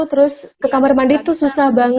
terus ke kamar mandi tuh susah